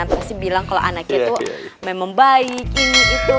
pasti bilang kalau anaknya itu memang baik ini gitu